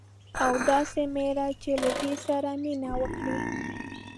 او داسي میړه چې له دې سره مینه وکړي